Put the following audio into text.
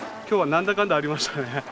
今日は何だかんだありましたからね。